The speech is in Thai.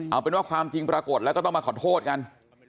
เอาเป็นว่าความจริงปรากฏแล้วก็ต้องมาขอโทษกัน